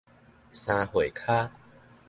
三會跤